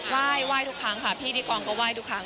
ว่ายว่ายทุกครั้งค่ะพี่ดีกรองก็ว่ายทุกครั้ง